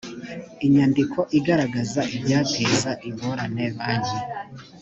inyandiko igaragaza ibyateza ingorane banki